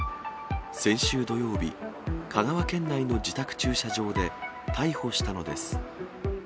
先週土曜日、香川県内の自宅駐車場で逮捕したのです。